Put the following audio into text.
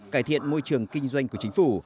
cải thiện môi trường kinh doanh của chính phủ